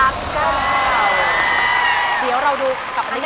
เดี๋ยวเราดูกับอันนี้